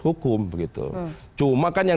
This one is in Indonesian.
hukum begitu cuma kan yang